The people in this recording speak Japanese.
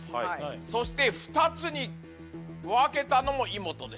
そして２つに分けたのもイモトです。